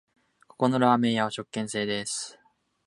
ここのラーメン屋は食券制です